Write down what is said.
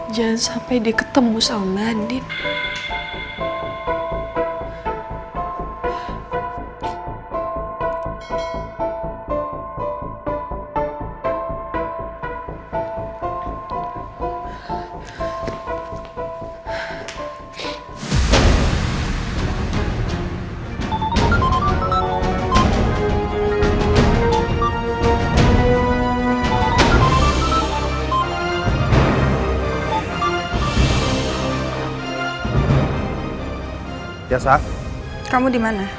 jangan sampai dia ketemu sama nandin